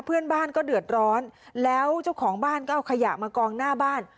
เพื่อนบ้านก็เดือดร้อนแล้วเจ้าของบ้านก็เอาขยะมากองหน้าบ้าน